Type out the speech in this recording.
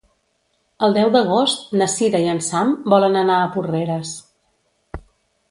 El deu d'agost na Sira i en Sam volen anar a Porreres.